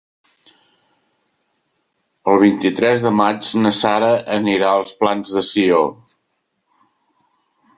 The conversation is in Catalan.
El vint-i-tres de maig na Sara anirà als Plans de Sió.